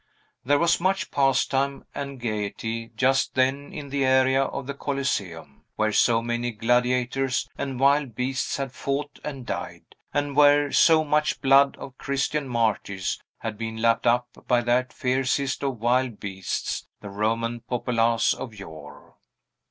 There was much pastime and gayety just then in the area of the Coliseum, where so many gladiators and Wild beasts had fought and died, and where so much blood of Christian martyrs had been lapped up by that fiercest of wild beasts, the Roman populace of yore.